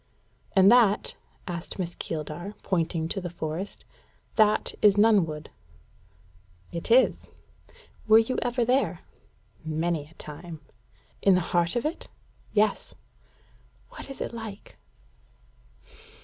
"And that," asked Miss Keeldar, pointing to the forest "that is Nunnwood?" "It is." "Were you ever there?" "Many a time." "In the heart of it?" "Yes." "What is it like?"